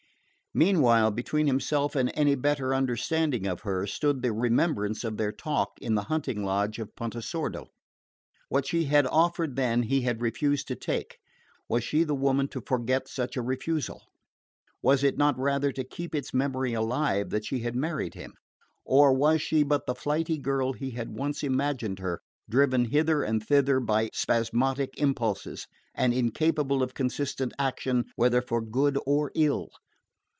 Meanwhile between himself and any better understanding of her stood the remembrance of their talk in the hunting lodge of Pontesordo. What she had offered then he had refused to take: was she the woman to forget such a refusal? Was it not rather to keep its memory alive that she had married him? Or was she but the flighty girl he had once imagined her, driven hither and thither by spasmodic impulses, and incapable of consistent action, whether for good or ill?